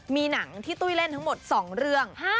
มีหนังที่ตุ้ยเล่นทั้งหมด๒เรื่อง